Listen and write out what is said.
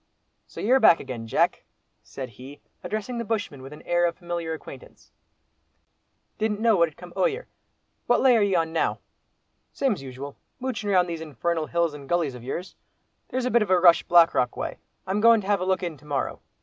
"So you're back again, Jack," said he, addressing the bushman with an air of familiar acquaintance; "didn't know what had come o'yer. What lay are ye on now?" "Same's usual, moochin' round these infernal hills and gullies ov yours. There's a bit of a rush Black Rock way. I'm goin' to have a look in to morrow.